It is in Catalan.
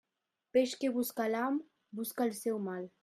El peix que busca l'ham busca el seu mal.